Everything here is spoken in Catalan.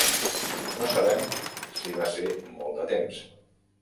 No sabem si va ser molt de temps.